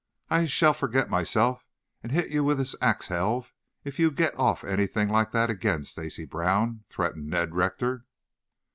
"I shall forget myself and hit you with this axe helve if you get off anything like that again, Stacy Brown," threatened Ned Rector.